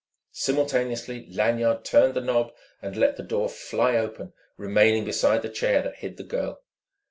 Simultaneously Lanyard turned the knob and let the door fly open, remaining beside the chair that hid the girl.